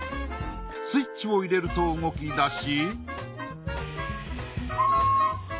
スイッチを入れると動き出し